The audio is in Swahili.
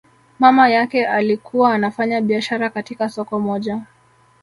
Mama yake alikuwa anafanya biashara katika soko moja